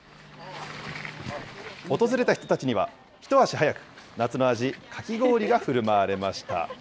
訪れた人たちには、一足早く夏の味、かき氷がふるまわれました。